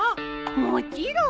もちろん！